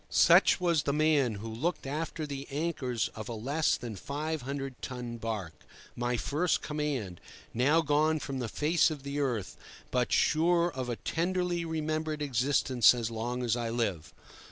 Such was the man who looked after the anchors of a less than five hundred ton barque, my first command, now gone from the face of the earth, but sure of a tenderly remembered existence as long as I live.